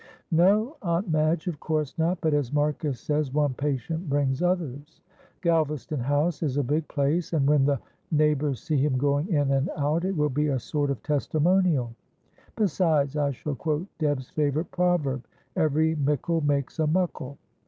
"No, Aunt Madge, of course not; but, as Marcus says, one patient brings others. Galvaston House is a big place, and when the neighbours see him going in and out, it will be a sort of testimonial; besides, I shall quote Deb's favourite proverb, 'Every mickle makes a muckle.'